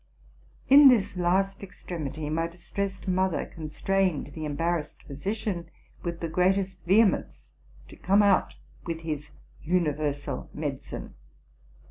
In this last extremity my distressed mother constrained the embarrassed physician with the greatest vehemence to come out with his universal medicine.